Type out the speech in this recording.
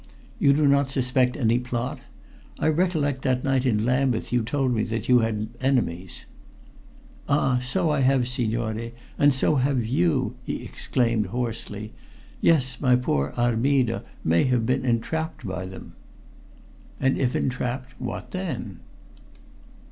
"You do not suspect any plot? I recollect that night in Lambeth you told me that you had enemies?" "Ah! so I have, signore and so have you!" he exclaimed hoarsely. "Yes, my poor Armida may have been entrapped by them." "And if entrapped, what then?"